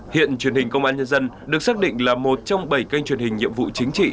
hiện truyền hình công an nhân dân được xác định là một trong bảy kênh truyền hình nhiệm vụ chính trị